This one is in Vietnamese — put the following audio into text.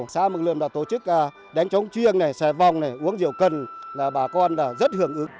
xá mừng lượm là tổ chức đánh trống chiêng này xe vòng này uống rượu cần là bà con rất hưởng ứng